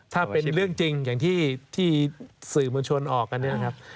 ถ้าเป็นเรื่องจริงอย่างที่สื่อมวลชนออกกันเนี่ยครับ